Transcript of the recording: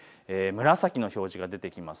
紫の表示が出てきます。